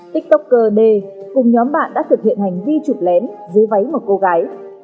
tiktoker d cùng nhóm bạn đã thực hiện hành vi chụp lén dưới váy một cô gái